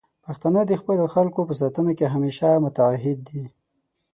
پښتانه د خپلو خلکو په ساتنه کې همیشه متعهد دي.